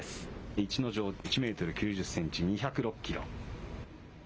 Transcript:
逸ノ城、１メートル９０センチ、２０６キロ。